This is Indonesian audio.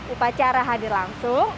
upacara hadir langsung